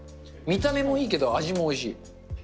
見た目もいいけど味もおいしい。